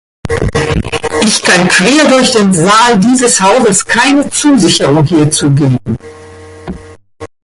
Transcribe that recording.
Ich kann quer durch den Saal dieses Hauses keine Zusicherung hierzu geben.